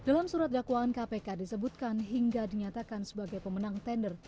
dalam surat dakwaan kpk disebutkan hingga dinyatakan sebagai pemenang tender